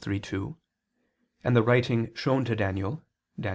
3:2), and the writing shown to Daniel (Dan.